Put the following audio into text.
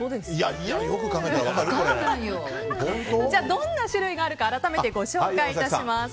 どんな種類があるか改めてご紹介します。